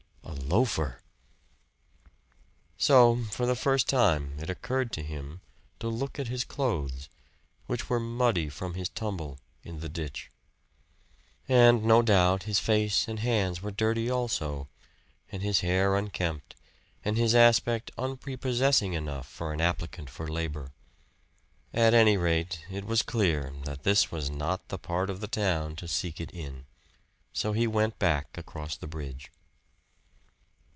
A loafer! So for the first time it occurred to him to look at his clothes, which were muddy from his tumble in the ditch. And no doubt his face and hands were dirty also, and his hair unkempt, and his aspect unprepossessing enough for an applicant for labor. At any rate it was clear that this was not the part of the town to seek it in; so he went back across the bridge.